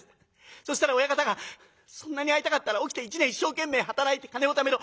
そしたら親方が『そんなに会いたかったら起きて一年一生懸命働いて金をためろ。